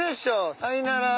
さいなら。